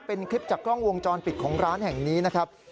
เป็นคลิปจากกล้องวงจรปิดของร้านแห่งนี้นะครับ